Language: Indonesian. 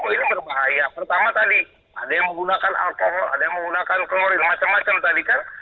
pertama tadi ada yang menggunakan alkohol ada yang menggunakan klorin macam macam tadi kan